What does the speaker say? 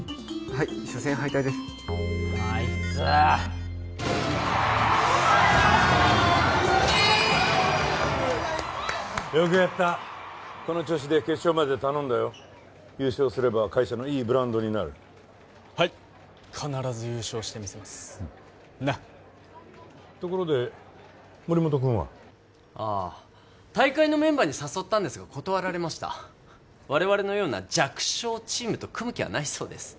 はい初戦敗退ですあいつよくやったこの調子で決勝まで頼んだよ優勝すれば会社のいいブランドになるはい必ず優勝してみせますなっところで森本君は？ああ大会のメンバーに誘ったんですが断られました我々のような弱小チームと組む気はないそうです